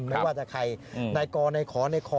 ไม่ว่าจะใครนายกรนายขอนายคอ